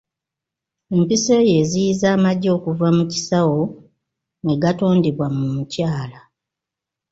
Empiso eyo eziyiza amagi okuva mu kisawo mwe gatondebwa mu mukyala.